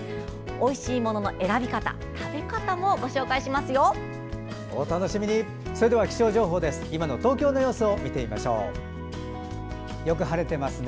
おいしいものの選び方食べ方も、ご紹介しますよ。